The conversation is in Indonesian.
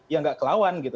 ya enggak kelawan gitu